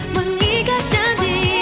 kau duet sejati